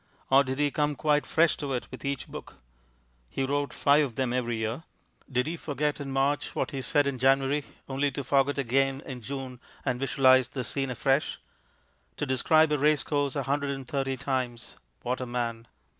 Or did he come quite fresh to it with each book? He wrote five of them every year; did he forget in March what he said in January, only to forget in June and visualize the scene afresh? To describe a race course a hundred thirty times what a man!